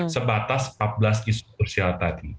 sebatas empat belas isu krusial tadi